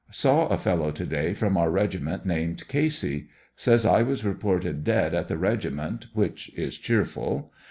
Saw a fellow to day from our regiment, named Casey, (Says 1 was reported dead at the regi ment, wiiich is cheerful.